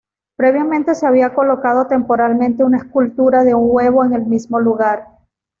Previamente se había colocado temporalmente una escultura de un huevo en el mismo lugar.